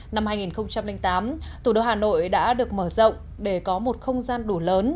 năm hai nghìn tám thủ đô hà nội đã được mở rộng để có một không gian đủ lớn